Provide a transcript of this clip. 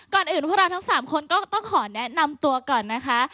อื่นพวกเราทั้ง๓คนก็ต้องขอแนะนำตัวก่อนนะคะ